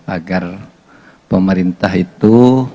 agar pemerintah itu